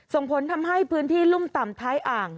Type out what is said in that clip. ส่งผลทำให้พื้นที่รุ่มต่ำท้ายอ่าง